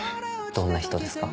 どんな人ですか？